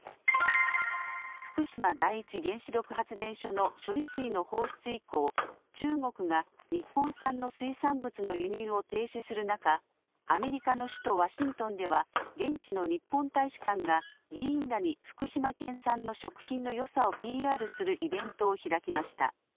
福島第一原子力発電所の処理水の放出以降、中国が日本産の水産物の輸入を停止する中、アメリカの首都ワシントンでは現地の日本大使館が議員らに福島県産の食品のよさをＰＲするイベントを開きました。